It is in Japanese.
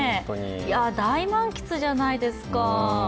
大満喫じゃないですか。